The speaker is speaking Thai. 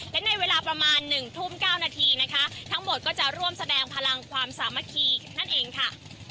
และในเวลาประมาณ๑ทุ่ม๙นาทีนะคะทั้งหมดก็จะร่วมแสดงพลังความสามัคคีนั่นเองค่ะ